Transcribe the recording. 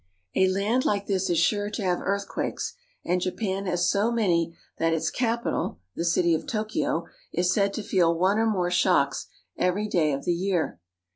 A land like this is sure to have earthquakes, and Japan has so many that its capital, the city of Tokyo (to'ke o), is said to feel one or more shocks every day of the year.